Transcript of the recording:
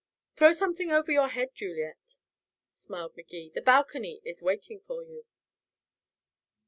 "Throw something over your head, Juliet," smiled Magee, "the balcony is waiting for you."